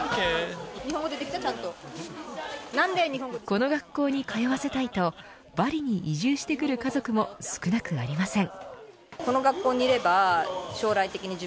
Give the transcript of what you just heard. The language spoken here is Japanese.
この学校に通わせたいとバリに移住してくる家族も少なくありません。